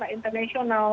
bahwa investasi saham ini